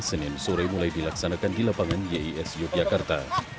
senin sore mulai dilaksanakan di lapangan yis yogyakarta